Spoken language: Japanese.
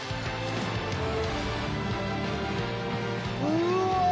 うわ！